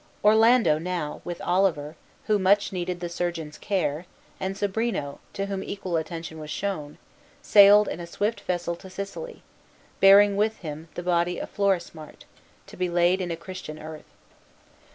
Orlando now, with Oliver, who much needed the surgeon's care, and Sobrino, to whom equal attention was shown, sailed in a swift vessel to Sicily, bearing with him the body of Florismart, to be laid in Christian earth.